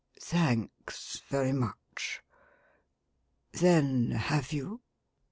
Thanks, very much. Then, have you?"